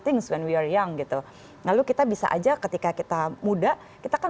things win wir young gitu lalu kita bisa aja ketika kita muda kita kan